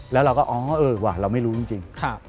แล้วเราก็อ๋อเออว่ะเราไม่รู้จริง